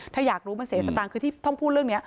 ถ้าอยากรู้มันเสียสตางค์คือที่ต้องพูดเรื่องนี้